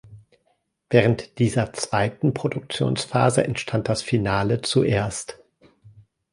Während dieser zweiten Produktionsphase entstand das Finale zuerst.